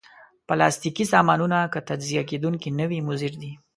پلاستيکي سامانونه که تجزیه کېدونکي نه وي، مضر دي.